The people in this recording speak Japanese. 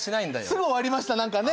すぐ終わりましたなんかね。